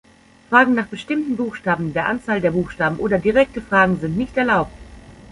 Fragen nach bestimmten Buchstaben, der Anzahl der Buchstaben oder direkte Fragen sind nicht erlaubt.